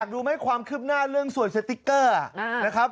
อยากรู้ไหมความคืบหน้าเรื่องสวยสติ๊กเกอร์